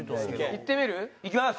いってみる？いきます！